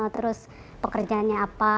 terus pekerjaannya apa